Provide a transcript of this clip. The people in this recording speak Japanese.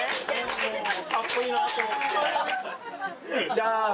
じゃあ。